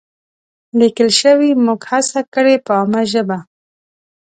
لیکل شوې، موږ هڅه کړې په عامه ژبه